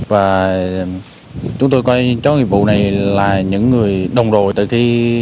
và chúng tôi coi chú chó nghiệp vụ này là những người đồng đội